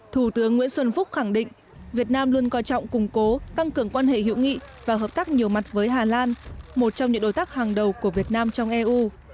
thủ tướng nguyễn xuân phúc khẳng định việt nam luôn coi trọng củng cố tăng cường quan hệ hữu nghị và hợp tác nhiều mặt với hà lan một trong những đối tác hàng đầu của việt nam trong eu